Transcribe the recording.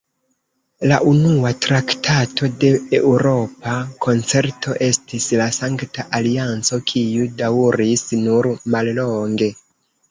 La unua traktato de Eŭropa Koncerto estis la Sankta Alianco, kiu daŭris nur mallonge.